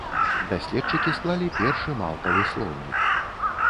Даследчыкі склалі першы малпавы слоўнік.